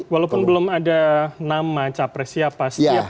walaupun belum ada nama capres siapa